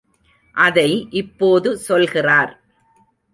அதை இப்போது சொல்கிறார்.